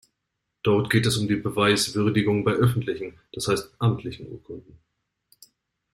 Dort geht es um die Beweiswürdigung bei öffentlichen, das heißt amtlichen Urkunden.